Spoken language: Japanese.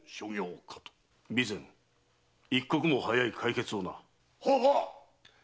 備前一刻も早い解決をな。ははっ！